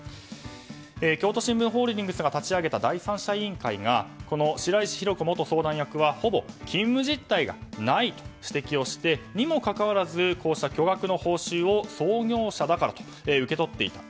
京都新聞ホールディングスが立ち上げた第三者委員会がこの白石浩子元相談役はほぼ勤務実態がないと指摘をしてにもかかわらずこうした巨額の報酬を創業者だからと受け取っていた。